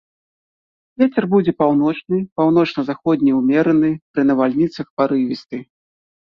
Вецер будзе паўночны, паўночна-заходні ўмераны, пры навальніцах парывісты.